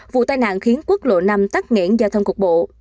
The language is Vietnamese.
vụ tai nạn khiến quốc lộ năm tắc nghẽn giao thông cục bộ